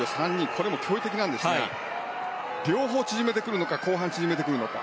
これも驚異的なんですが両方、縮めてくるのか後半、縮めてくるのか。